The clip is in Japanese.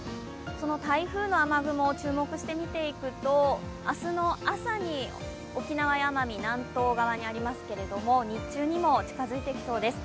その台風の雨雲、注目して見ていくと明日の朝に沖縄や奄美南東側にありますけれども日中にも近づいてきそうです。